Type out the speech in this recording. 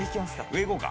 上いこうか。